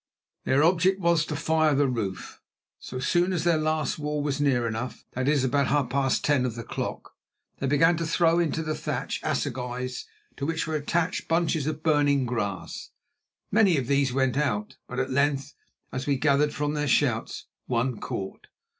Their object was to fire the roof. So soon as their last wall was near enough (that is, about half past ten of the clock) they began to throw into the thatch assegais to which were attached bunches of burning grass. Many of these went out, but at length, as we gathered from their shouts, one caught.